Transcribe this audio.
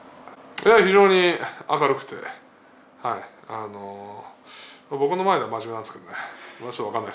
非常に明るくて僕の前では真面目なんですけどね。